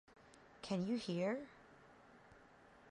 Can you hear?